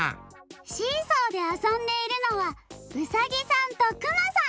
シーソーであそんでいるのはうさぎさんとくまさん！